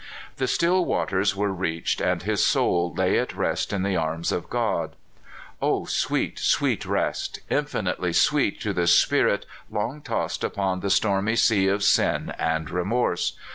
The still waters w^ere reached, and his soul lay at rest in the arms of God. O sw^eet, sw^eet rest! infinitely sweet to the spirit long tossed upon the stormy sea of sin and remorse.